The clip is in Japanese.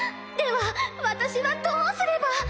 では私はどうすれば？